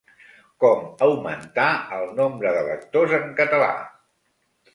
Com augmentar el nombre de lectors en català?